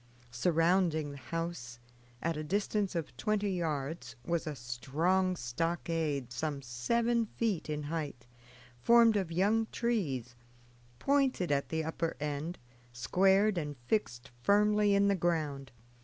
Surrounding the house, at a distance of twenty yards, was a strong stockade some seven feet in height, formed of young trees, pointed at the upper end, squared, and fixed firmly in the ground.